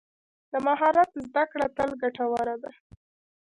د مهارت زده کړه تل ګټوره ده.